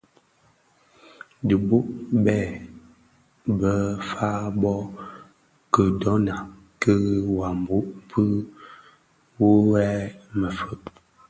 Dhi bō be fa bo kidhotèna kil è wambue pi: wō ghèè më fe?